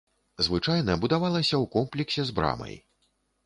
Звычайна будавалася ў комплексе з брамай.